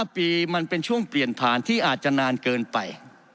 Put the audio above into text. ๕ปีมันเป็นช่วงเปลี่ยนผ่านที่อาจจะนานเกินไป